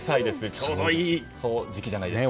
ちょうどいい時期じゃないですか。